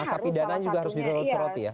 masa pidanannya juga harus disoroti ya